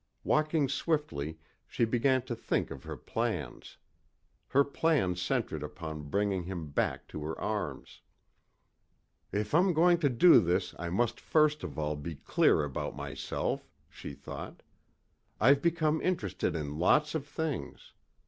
Walking swiftly she began to think of her plans. Her plans centered upon bringing him back to her arms. "If I'm going to do this I must first of all be clear about myself," she thought. "I've become interested in lots of things.